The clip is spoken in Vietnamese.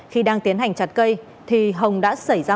khi đang tiến hành chặt cây thì hồng đã xảy ra